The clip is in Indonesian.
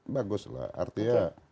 bagus lah artinya